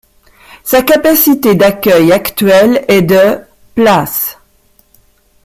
Sa capacité d'accueil actuelle est de places.